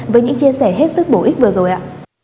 với những chia sẻ hết sức bổ ích vừa rồi ạ